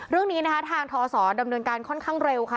เรื่องนี้นะคะทางทศดำเนินการค่อนข้างเร็วค่ะ